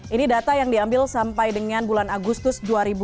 ini data yang diambil sampai dengan bulan agustus dua ribu dua puluh